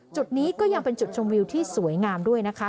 จุดนี้ก็ยังเป็นจุดชมวิวที่สวยงามด้วยนะคะ